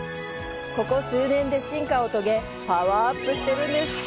ここ数年で進化を遂げパワーアップしているんです！